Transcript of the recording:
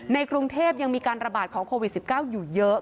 กรุงเทพยังมีการระบาดของโควิด๑๙อยู่เยอะ